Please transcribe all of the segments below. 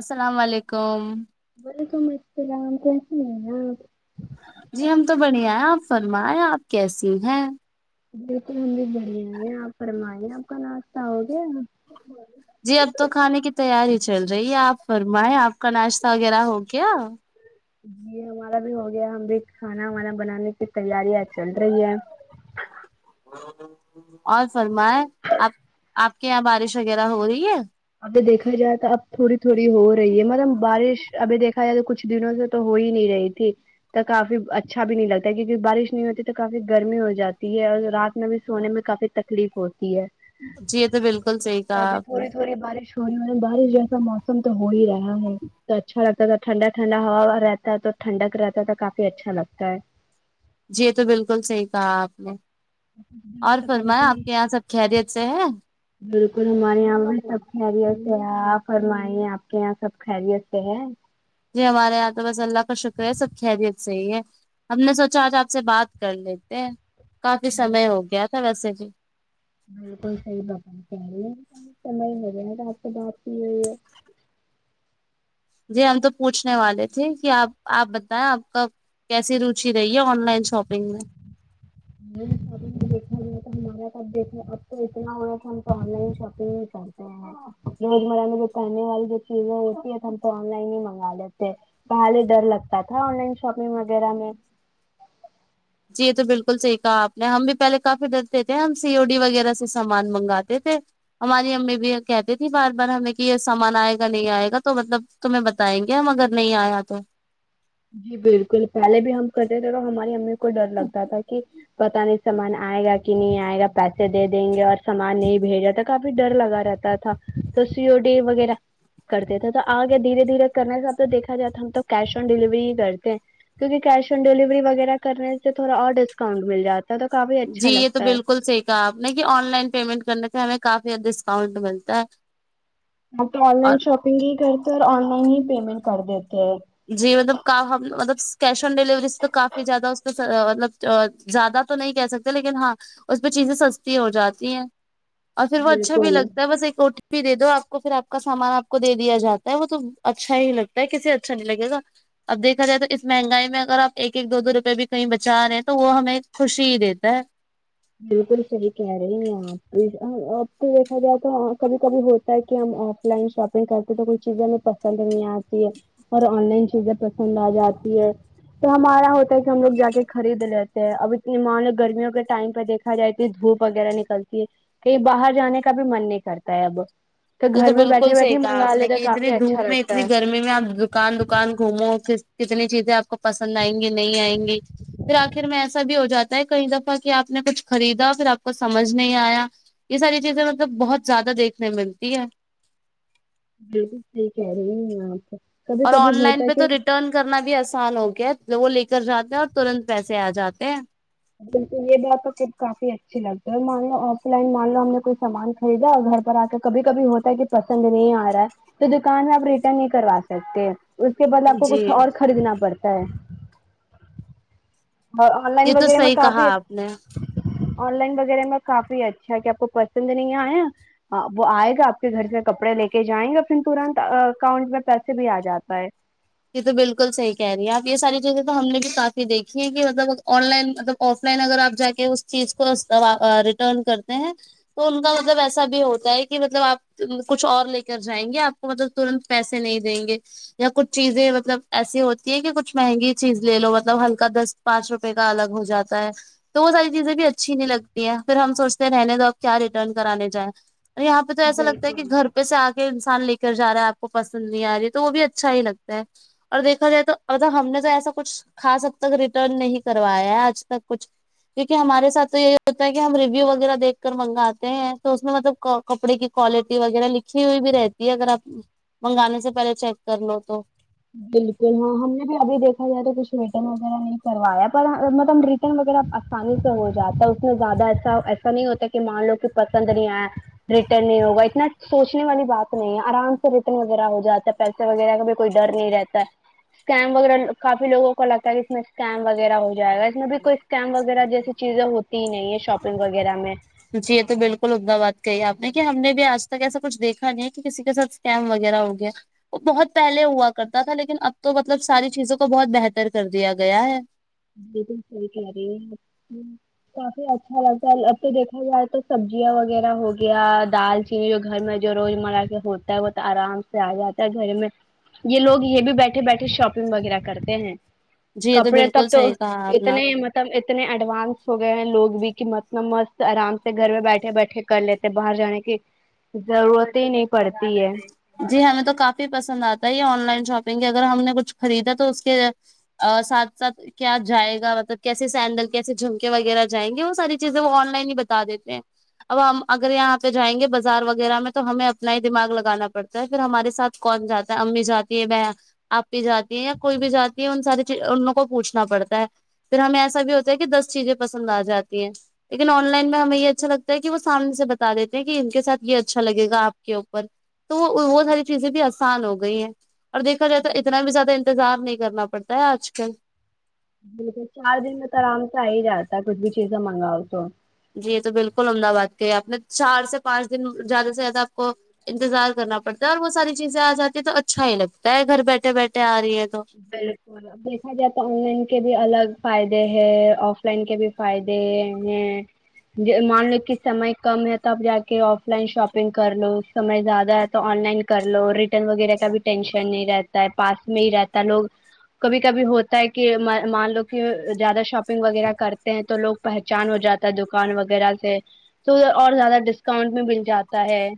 السلام علیکم وعلیکم السلام کیسی ہیں آپ جی ہم تو بڑھیا ہیں آپ فرمائیں آپ کیسی ہیں بالکل ہم بھی بڑھیا ہیں آپ فرمائیے آپ کا ناشتہ ہو گیا ہے جی اب تو کھانے کی تیاری چل رہی ہے آپ فرمائیں آپ کا ناشتہ وغیرہ ہو گیا یہ ہمارا بھی ہو گیا ہم بھی کھانا وانا بنانے کی تیارں چل رہی ہیں اور فرمائیںاب آپ کے یہاں بارش وغیرہ ہو رہی ہے ابھی دیکھا جائے تو اب تھوڑی تھوڑی ہو رہی ہے مطلب بارش ابھی دیکھا جائے تو کچھ کچھ دنوں سے تو ہو ہی نہیں رہی تھی تو کافی اچھا بھی نہیں لگتا کیونکہ بارش نہیں ہوتی تو کافی گرمی ہو جاتی ہے اور رات میں بھی سونے میں کافی تکلیف ہوتی ہے جی یہ تو بالکل صحیح کہا آپ نے ہو رہی ر بارش ہو رہی ہو بارش جیسا موسم تو ہو ہی رہا ہے تو اچھا لگتا تھا ٹھنڈا ٹھنڈا ہوا رہ تا تو ٹھنڈک رہتا تھا کافی اچھا لگتا ہے جی یہ تو بالکل صحیح کہا آپ نے اور فرمایا آپ کے یہاں سب خیریت سے ہے بالکل ہمارے یہاں پر سب خیریت سے آپ فرمائی آپ کے یہاں سب خیریت سے ہے جی ہمارے یہاں تو بس اللہ کا شکر ہے سب خیریت سے ہی ہیں ہم نے سوچا آج آپ سے بات کر لیتے ہیں کافی سمئے بالکل ہو گیا تھا ویسے بھی بالکل صحیح بات کہی ہے آپ سے بات کی ہوئی ہے جی ہم تو پوچھنے والے تھے کہ آپ آپ بتائیں آپ کا کیسی روچی رہی ہے آن لائن شاپنگ میں [unintelligible] تو ہمارا تو اب دیکھ اب تو اتنا ہوا تو ہم تو آن لائن شاپنگ ہی کرتے ہیں روز مرہ میں جو پہنے والی جو چیزیں ہوتی ہے تو ہم تو آن لائن ہی منگا لیتے ہیں پہلے ڈر لگتا تھا آن لائن شاپنگ وغیرہ میں جی یہ تو بالکل صحیح کہا آپ نے ہم بھی پہلے کافی ڈرتے تھے ہم سیو ڈی وغیرہ سے سامان منگاتے تھے ہماری امی بھی کہتی تھی بار بار ہمیں کہ یہ سامان آئے گا نہیں آئے گا تو مطلب تمہیں بتائیں گے ہم اگر نہیں آیا تو جی بالکل پہلے بھی ہم کرے تھے تو ہماری امی کو ڈر لگتا تھا کہ پتا نہیں سامان آئے گا کہ نہیں آئے گا پیسے دے دیں گے اور سامان نہیں بھیجا تھا کافی ڈر لگا رہتا تو سی و ڈی وغیرہ کرتے تھے تو آگے دھیرے دھیرے کرنے سے اب تویکھا جاتا ہم تو کیش آن ڈیلیوری کرتے کیونکہ کیش آن ڈیلیوری وغیرہ کرنے سے تھوڑا اور ڈسکاؤنٹ مل جاتا وہ تو کافی جی اچھا یہ تو لگتا ہے بالکل صحیح آپ نے کہ آن لائن پیمنٹ کرنے سے ہمیں کافی ڈسکاؤنٹ ملتا ہے آ تو آن اور لائن شاپنگ ہی کرتے اور آن لائن ہی پیمینٹ کر دیتے ہیں جی مطلب مطلب کیش آن ڈیلیوری سے تو کافی زیادہ اس مطلب زیادہ تو نہیں کہہ سکتے لیکن ہاں اس پہ چیزیں سستی ہو جاتی ہیں اور پھر وہ اچھا بھی بالکل لگتا ہے بس ایک ا بھی دے دو آپ کو پھر آپ کا سامان آپ کو دے دیا جاتا ہے وہ تو اچھا ہی لگتا ہے کسی اچھا نہیں لگے گا اب دیکھا جائے تو اس مہنگائی میں اگر آپ ایک ایک دو دو روپے بھی کہیں بچا رہے ہیں تو وہ ہمیں خوشی ہی دیتا ہے بالکل صحیح کہہ رہے ہیں آپ اب تو دیکھا جائے تو کبھی کبھی ہوتا ہے کہ ہم آف لائن شاپنگ کرتے تو کوئی چیزیں ہمیں پسند نہیں آتی ہے اور آن لائن چیزیں پسند آ جاتی ہے تو ہمارا ہوتا ہے کہ ہم لوگ جا کے خرید لیتے ہیں اب اتنی مان لو گرمیوں کے ٹائم پہ دیکھا جاتی ہے دھوپ وغیرہ نکلتی ہے کہیں باہر جانے کا بھی من نہیں کرتا ہے اب یہ تو گھر میں بالکل بیٹھے صحیح بیٹھے کہا منگا آپ نے لیتے کہ اتنی کافی اچھا دھوپ میں لگتا ہے اتنی گرمی میں آپ دکان دکان گھوموں پھر کتنی چیزیں آپ کو پسند آئیں گی نہیں آئیں گی پھر آخر میں ایسا بھی ہو جاتا ہے کئی دفعہ کہ آپ نے کچھ خریدا پھر آپ کو سمجھ نہیں آیا یہ ساری چیزیں مطلب بہت زیادہ دیکھنے میں ملتی ہے بلکل صحیح کہ رہی ہے آپ تو اور آن لائن پہ تو ریٹرن کرنا بھی آسان ہوگا وہ لے کر جاتے ہیں اور ترنت پیسے آ جاتے ہیں بالکل یہ بات تو کافی اچھی لگتی ہے اور مان لو آف لائن مان لو ہم نے کوئی سامان کبھی [unintelligible] جا گھر پر آ کر کبھی کبھی ہوتا ہے کہ پسند نہیں آ رہا ہے تو دکان میں آپ ریٹرن نہیں کروا سکتے اس کے بعد آپ کو جی کچھ اور خریدنا پڑتا ہے اور آن لائن یہ تو وغیرہ میں صحیح کافی کہا آپ نے ہے آن لائن وغیرہ میں کافی اچھا ہے کہ آپ کو پسند نہیں آیا ہاں وہ آئے گا آپ کے گھر سے کپڑے لے کے جائیں گا پھر ترنت اکاؤنٹ میں پیسے بھی آ جاتا ہے یہ تو بالکل صحیح کہہ رہی ہے آپ یہ ساری چیزیں تو ہم نے بھی کافی دیکھی ہے کہ مطلب آن لائن مطلب آف لائن اگر آپ جا کے اس چیز کو ریٹرن کرتے ہیں تو ان کا مطلب ایسا بھی ہوتا ہے کہ مطلب آپ کچھ اور لے کر جائیں گے آپ مطلب ترنت پیسے نہیں دیں گے یا کچھ چیزیں مطلب ایسی ہوتی ہے کہ کچھ مہنگی چیز لے لو مطلب ہلکا دس پانچ روپے کا الگ ہو جاتا ہے تو وہ ساری چیزیں بھی اچھی نہیں لگتی ہیں پھر ہم سوچتے رہنے دو اب کیا ریٹرن کرانے جائیں یہاں پہ تو ایسا لگتا ہے کہ بالکل گھر پہ سے آ کے انسان لے کر جا رہا ہے آپ کو پسند نہیں آ رہی ہے تو وہ بھی اچھا ہی لگ تا ہے اور دیکھا جائے تو ا ہم نے تو ایسا کچھ خاص اب تک ریٹرن نہیں کروایا ہے آج تک کچھ کیونکہ ہمارے ساتھ تو یہی ہوتا ہے کہ ہم ریویو وغیرہ دیکھ کر منگاتے ہیں تو اس میں مطلب کو کپڑے کی کوالٹی وغیرہ لکھی ہوئی بھی رہتی ہے اگر آپ منگانے سے پہلے چیک کر لو تو بالکل ہاں ہم نے بھی ابھی دیکھا جائے تو کچھ ریٹرن وغیرہ نہیں کروایا پر مطلب ری ریٹرن وغیرہ آسانی سے ہو جاتا ہے اس میں زیادہ ایسا نہیں ہوتا کہ مان لو کہ پسند نہیں آئے ریٹرن نہیں ہوگا اتنا سوچنے والی بات نہیں ہے آرام سے ریٹرن وغیرہ ہو جاتا ہے پیسے وغیرہ کا بھی کوئی ڈر نہیں رہتا سکیم وغیرہ کافی لوگوں کو لگتا ہے کہ اس میں سکیم وغیرہ ہو جائے گا اس میں بھی کوئی سکیم وغیرہ جیسی چیزیں ہوتی ہی نہیں ہے شاپنگ وغیرہ میں جی یہ تو بالکل عمدہ بات کہی آپ نے کہ ہم نے بھی آج تک ایسا کچھ دیکھا نہیں ہے کہ کسی کے ساتھ سکیم وغیرہ ہوگیا وہ بہت پہلے ہوا کرتا تھا لیکن اب تو مطلب ساری چیزوں کو بہت بہتر کر دیا گیا ہے بلکل صحیح کہہ رہی ہے آپ [inaudible] کافی اچھا لگتا ہے اب تو دیکھا جائے تو سبزیاں وغیرہ ہو گیا دال گھر میں جو روزمرہ کے ہوتا ہے وہ تو آرام سے آ جاتا ہے گھر میں یہ لوگ یہ بھی بیٹھے بیٹھے شاپنگ وغیرہ کرتے ہیں جی یہ تو کپڑے بالکل ص تب تو اتنے مت سب اتنے ایڈوانس ہو گئے ہیں لوگ بھی کہ مست نہ مست آرام سے گھر میں بیٹھے بیٹھے کر لیتے باہر جانے کی ضرورت ہی نہیں پڑتی ہے جی ہمیں تو کافی پسند آتا ہے یہ آن لائن شاپنگ کے اگر ہم نے کچھ خریدا تو اس کے ا ساتھ ساتھ کیا جائے گا مطلب کیسے سینڈل کیسے جھمکے وغیرہ جائیں گے وہ ساری چیزیں وہ آن لائن ہی بتا دیتے ہیں اب ہم اگر یہاں پہ جائیں گے بازار وغیرہ میں تو ہمیں اپنا ہی دماغ لگانا پڑتا ہے پھر ہمارے ساتھ کون جاتا ہے امی جاتی ہے بہن آپی جاتی ہیں یا کوئی بھی جاتی ہے ان ساری چیز ان لوگوں کو پوچھنا پڑتا ہے پھر ہمیں ایسا بھی ہوتا ہے کہ دس چیزیں پسند آ جاتی ہیں لیکن آن لائن میں ہمیں یہ اچھا لگتا ہے کہ وہ سامنے سے بتا دیتے ہیں کہ ان کے ساتھ یہ اچھا لگے گا آپ کے اوپر تو وہ وہ ساری چیزیں بھی آسان ہو گئی ہیں اور دیکھا جائے تو اتنا بھی زیادہ انتظار نہیں کرنا پڑتا ہے آج کل بالکل چار دن میں تو آرام سے آ ہی جاتا ہے کچھ بھی چیزیں منگاؤ تو جی یہ تو بالکل عمدہ بات کی آپ نے چار سے پانچ دن زیادہ سے زیادہ آپ کو انتظار کرنا پڑتا ہے اور وہ ساری چیزیں آ جاتی ہے تو اچھا ہی لگتا ہے گھر بیٹھے بیٹھے آ رہی ہے تو بالکل دیکھا جائے تو آن لائن کے بھی الگ فائدے ہیں آف لائن کے بھی فائدے ہیں مان لو کہ سمے کم ہے تب جا کے آف لائن شاپنگ کر لو سمے زیادہ ہے تو آن لائن کر لو ریٹرن وغیرہ کا بھی ٹینشن نہیں رہتا ہے پاس میں ہی رہتا تا لوگ کبھی کبھی ہوتا ہے کہ مان لو کہ زیادہ شاپنگ وغیرہ کرتے ہیں تو لوگ پہچان ہو جاتا ہے دکان وغیرہ سے تو ادھر اور زیادہ ڈسکاؤنٹ بھی مل جاتا ہے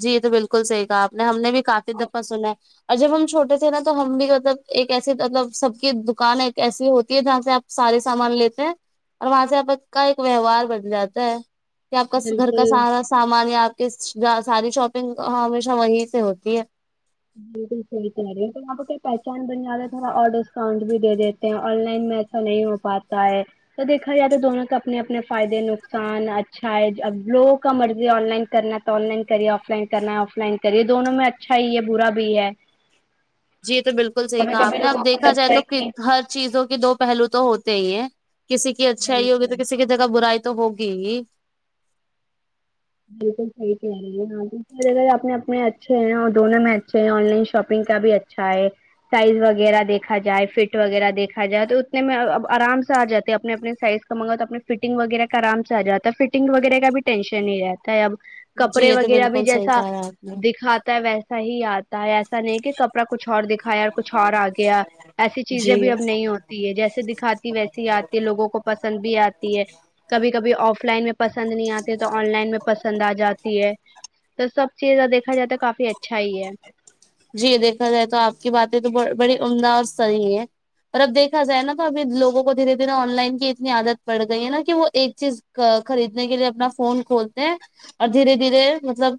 جی یہ تو بالکل صحیح کہا آپ نے ہم نے بھی کافی دفعہ سنا ہے اور جب ہم چھوٹے تھے نا تو ہم بھی مطلب ایک ایسی مطلب سب کی دکانیں ایک ایسی ہوتی ہے جہاں سے آپ سارے سامان لیتے ہیں اور وہاں سے ابک کا ایک وھوار بن جاتا ہے آپ کا گھر کا بالکل سارا سامان یا آپ کے ساری شاپنگ ہمیشہ وہی سے ہوتی ہے بالکل صحیح کہہ رہی ہیں تو آپ کو کیا پہچان بن جائے تھوڑا اور ڈسکاؤنٹ بھی دے دیتے ہیں آن لائن میں نہیں ہو پاتا ہے تو دیکھا جائے تو دونوں کے اپنے اپنے فائدے نقصان اچھا ہے اب لوگوں کا مرضی آن لائن کرنا آن لائن کرے آف لائن کرنا ہے آف لائن کرے دونوں میں اچھا ہی ہے برا بھی ہے جی یہ تو بالکل صحیح ہمیں کہا آپ کبھی نے اب لوگوں کو دیکھا جائے لگتا تو ہے کہ ہر چیزوں کے دو پہلو تو ہوتے ہی ہیں کسی کی اچھائی ہی ہوگی بالکل تو کسی کی جگہ برائی تو ہوگی ہی بالکل صحیح رہی ہیں ہاں اگر اپنے اپنے اچھے ہیں نا دونوں میں اچھے ہیں آن لائن شاپنگ کا بھی اچھا اچھا ہے سائز وغیرہ دیکھا جائے فٹ وغیرہ دیکھا جائے تو اتنے میں آرام سے آ جاتے اپنے اپنے سائز تو منگا تو اپنے فٹنگ وغیرہ آرام سے آ جاتا فٹنگ وغیرہ کا بھی ٹینشن نہیں رہتا اب جی کپڑے یہ تو وغیرہ بھی بالکل صحیح جیسا کہا آپ نے دکھاتا ہے ویسا ہی آتا ہے ایسا نہیں کہ کپڑا کچھ اور دکھایا کچھ اور آ گیا ایسی چیزیں بھی جی اب نہیں ہوتی تی ہے جیسے دکھاتی ویسے ہی آتی ہے لوگوں کو پسند بھی آتی ہے کبھی کبھی آف لائن میں پسند نہیں آتی تو آن لائن میں پسند آ جاتی ہے تو سب چیز دیکھا جائے تو کافی اچھا ہی ہے جی دیکھا جائے تو آپ کی باتیں تو بڑی عمدہ اور صحیح ہے اور اب دیکھا جائے نا تو ابھ لوگوں کو دھیرے دھیرے آن لائن کی اتنی عادت پڑ گئی ہے نا کہ وہ ایک چیز خریدنے کے لیے اپنا فون کھولتے ہیں اور دھیرے دھیرے مطلب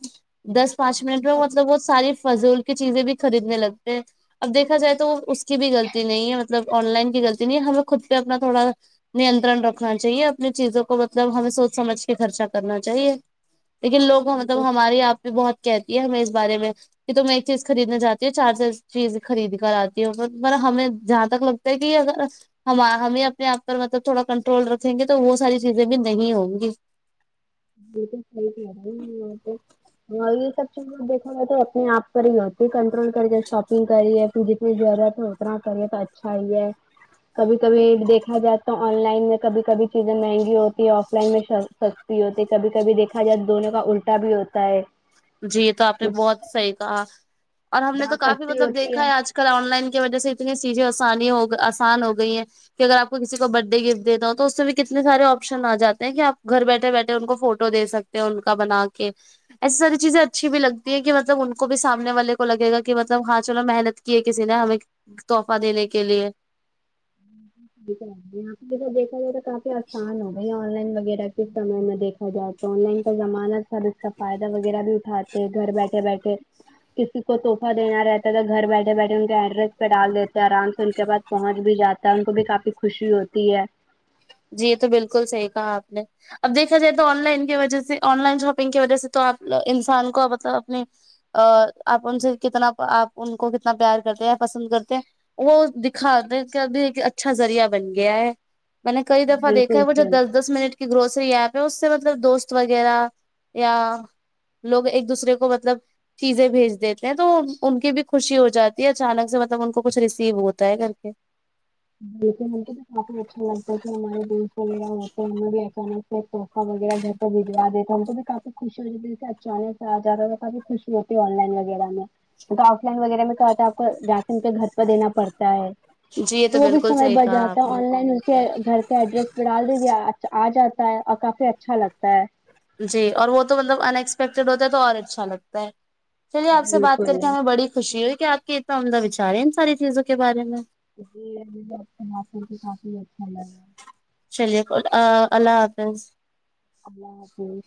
دس پانچ منٹ میں مطلب وہ ساری فضول کی چیزیں بھی خریدنے لگتے ہیں اب دیکھا جائے تو اس کی بھی غلطی نہیں ہے مطلب آن لائن کی غلط نہیں ہے ہمیں خود پہ اپنا تھوڑا نینترن رکھنا چاہیے اپنی چیزوں کو مطلب ہمیں سوچ سمجھ کے خرچہ کرنا چاہیے لیکن لوگ مطلب ہمارے آپ بھی بہت کہتی ہے ہمیں اس بارے میں کہ تو میں ایک چیز خریدنے جاتی ہوں چار چار چیز خرید کر آتی ہوں پر پر ہمیں جہاں تک لگتا ہے کہ اگر ہم ہمیں اپنے آپ پر مطلب تھوڑا کنٹرول رکھیں گے تو وہ ساری چیزیں بھی نہیں ہوں گی بال صحیح ت رہی آپ توہ [unintelligible] ہاں یہ سب چیزیں دیکھا جائے تو اپنے آپ پر ہی ہوتی ہے کنٹرول کری شاپنگ کری ہے جتنی ضرورت ہے اتنا کرے تو اچھا ہی ہے کبھی کبھی دیکھا جاتا آن لائن میں کبھی کبھی چیزیں مہنگی ہوتی ہے آف لائن میں نہیں ہوتے کبھی کبھی دیکھا جائے تو دونوں کا الٹا بھی ہوتا ہے جی یہ تو آپ نے بہت صحیح کہا اور ہم نے تو جہاں کافی سستی مطلب ہوتی دیکھا ہے آج کل آن لائن کی وجہ سے اتنی چیزیں آسانی ہو آسان ہو گئی ہیں کہ اگر آپ کو برڈ ڈے گفٹ دیتا ہو تو اس میں بھی کتنے سارے آپشن آ جے ہیں کہ آپ گھر بیٹھے بیٹھے ان کو فوٹو دے سکتے ان کا بنا کے ایسے سا ری چیزیں اچھی بھی لگتی ہیں کہ مطلب ان کو بھی سامنے والے کو لگ گا کہ مطلب ہاں چلو محنت کی ہے کسی نے ہمیں تحفہ دینے کے لیے یہاں پہ دیکھا جائے تو کافی آسان ہو بھائی آن لائن وغیرہ کے سمے میں دیکھا جائے تو آن لائن کا زمانہ تھا ا اس کا فائدہ وغیرہ بھی اٹھا گھر بیٹھے بیٹھے کسی کو تحفہ دینا رہتا تھا گھر بیٹھے بیٹھے ان کے ایڈریس پہ ڈال دیتے ہیں آرام سے ان کے پعد پہنچ بھی جاتا ہے ان کو بھی کافی خوشی ہوتی ہے جی یہ تو بالکل صحیح کہا آپ نے اب دیکھا جائے تو آن لائن کی وجہ سے آن لائن شاپنگ کی وجہ سے تو آپ انسان کو مطلب اپنی آپ ان سے کتنا آپ ان کو کتنا پیار کرتے ہیں یا پسند کرتے ہیں وہ دکھا د کہ ایک اچھا ذریعہ بن گیا ہے میں نے کئی دفعہ دیکھا ہے بالکل وہ جو صحیح دس دس منٹ کے گروسری ایپ ہے اس سے مطلب دوست وغیرہ یا لوگ ایک دوسرے کو مطلب چیزیں بھیج دیتے ہیں تو ان کی بھی خوشی ہو جاتی ہے اچانک سے مطلب ان کو کچھ ریسیو ہوتا ہے کر کے جی ہم کو تو کافی اچھا لگتا ہے کہ ہمارے دوست رہا ہوتا ہے ہمیں بھی اچانک توحفہ وغیرہ گھر پہ بھیجوا دیتے ہ ہم کو بھی کافی خوش ہو جی سے اچانک سے آ جاتا ہے کافی خوش ہوتی آن لائن وغیرہ میں نہیں تو آف لائن وغیرہ میں کیا ہوتا ہے آپ کو جا کے ان کے گھر پہ دینا پڑتا ہے جی یہ تو وہ بھی بالکل سمے صحیح بچ کہا جاتا آپ ہے نے آن لائن کے گھر کے ایڈریس پہ ڈال دیں جیے آ جاتا ہے اور کافی اچھا لگتا ہے جی اور وہ تو مطلب ان ایکسپیکٹیڈ ہوتا ہے تو اور اچھا لگتا ہے چلیے آپ سے بات کر بالکل کے ہمیں بڑی خوشی ہوئی کہ آپ کے اتنا عمدہ وچار ہے ان ساری چیزوں کے بارے میں یہ مجھے مال کے کافی اچھا لگا چلیے خدا اللہ حافظ اللہ حافظ